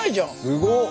すごっ！